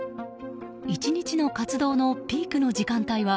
１日の活動のピークの時間帯は